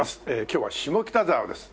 今日は下北沢です。